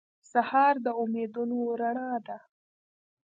سهار د امیدونو رڼا ده.